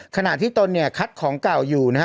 ขณะที่ตนเนี่ยคัดของเก่าอยู่นะฮะ